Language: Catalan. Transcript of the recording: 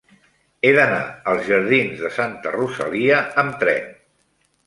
He d'anar als jardins de Santa Rosalia amb tren.